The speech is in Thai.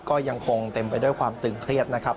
ก็ยังคงเต็มไปด้วยความตึงเครียดนะครับ